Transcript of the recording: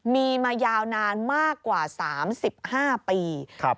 มีมายาวนานมากกว่า๓๕ปี